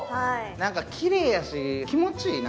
なんかきれいやし、気持ちええな。